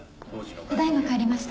ただ今帰りました。